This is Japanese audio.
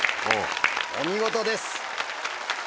お見事です。